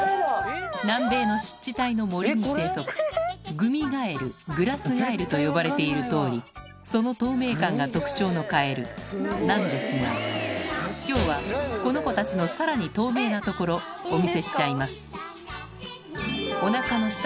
南米の湿地帯の森に生息グミガエルグラスガエルと呼ばれているとおりその透明感が特徴のカエルなんですが今日はこの子たちのさらに透明なところお見せしちゃいます